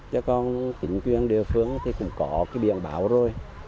chứ còn tỉnh quyền địa phương thì cũng có cái biện bảo rồi